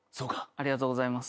ありがとうございます。